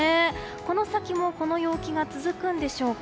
この先もこの陽気が続くんでしょうか。